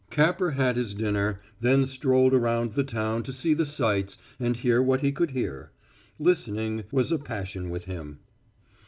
Capper had his dinner, then strolled around the town to see the sights and hear what he could hear. Listening was a passion with him.